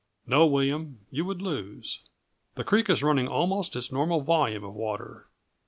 "No, William, you would lose. The creek is running almost its normal volume of water.